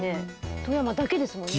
富山だけですもんね。